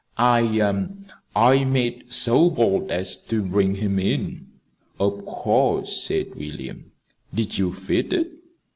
"I I made so bold as to bring him in." "Of course," said William. "Did you feed it?"